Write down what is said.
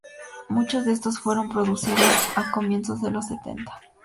Muchos de estos fueron producidos a comienzos de los setenta.